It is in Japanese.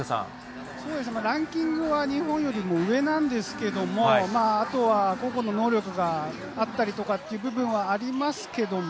そうですね、ランキングは日本よりも上なんですけども、あとは個々の能力があったりとかっていう部分はありますけれども、